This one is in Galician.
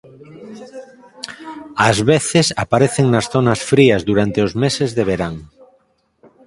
Ás veces aparecen nas zonas frías durante os meses de verán.